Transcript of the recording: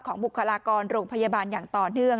บุคลากรโรงพยาบาลอย่างต่อเนื่อง